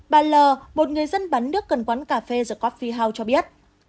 bà l một người dân bán nước cần quán cà phê the coffee house cho biết